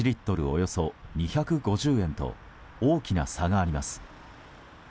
およそ２５０円と大きな差があります。